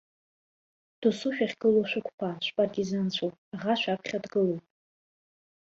Досу шәахьгылоу шәықәԥа шәпартизанцәоуп аӷа шәаԥхьа дгылоуп.